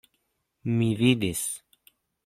Mi vidis.